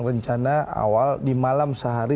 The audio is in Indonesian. rencana awal di malam sehari